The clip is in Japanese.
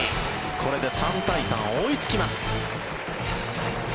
これで３対３追いつきます。